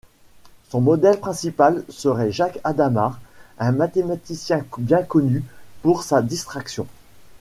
Son modèle principal serait Jacques Hadamard, un mathématicien bien connu pour sa distraction.